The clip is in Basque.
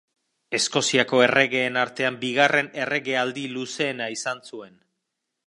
Eskoziako erregeen artean bigarren erregealdi luzeena izan zuen.